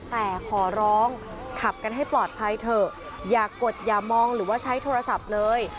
แต่ขอร้องขับกันให้ปลอดภัยเถอะอย่ากดอย่ามองหรือว่าใช้โทรศัพท์เลย